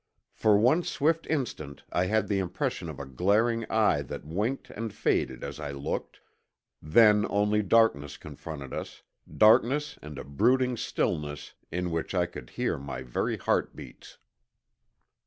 For one swift instant I had the impression of a glaring eye that winked and faded as I looked, then only darkness confronted us, darkness and a brooding stillness in which I could hear my very heart beats.